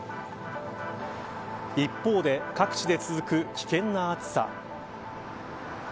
一方で各地で続く危険な暑さ。